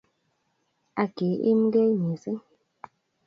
Ak ki-imige mising',